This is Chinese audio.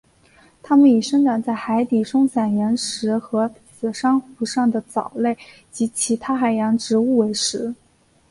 它们以生长在海底松散岩石和死珊瑚上的藻类及其他海洋植物为食。